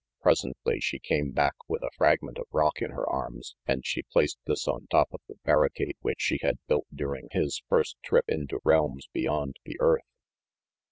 Presently she came back with a fragment of rock in her arms, and she placed this on top of the barricade which she had built during his first trip into realms beyond the earth.